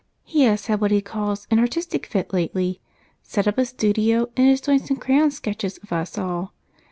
"He has had what he calls an 'artistic fit' lately, set up a studio, and is doing some crayon sketches of us all.